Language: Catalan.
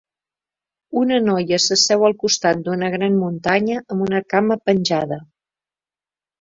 Una noia s'asseu al costat d'una gran muntanya amb una cama penjada.